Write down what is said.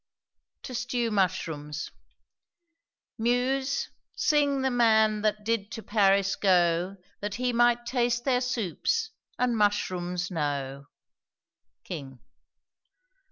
TO STEW MUSHROOMS. Muse, sing the man that did to Paris go, That he might taste their soups and mushrooms know. KING.